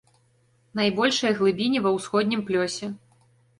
Найбольшыя глыбіні ва ўсходнім плёсе.